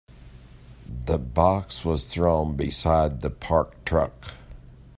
The box was thrown beside the parked truck.